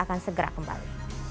dan segera kembali